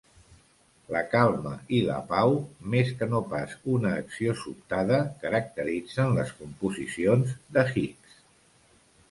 La calma i la pau, més que no pas una acció sobtada, caracteritzen les composicions de Hicks.